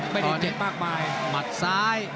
ไม่ได้เจ็บมากมาย